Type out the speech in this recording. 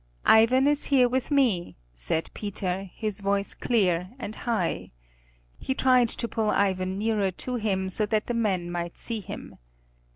"Ivan is here with me," said Peter, his voice clear and high. He tried to pull Ivan nearer to him so that the men might see him.